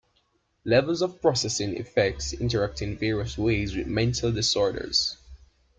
Levels-of-processing effects interact in various ways with mental disorders.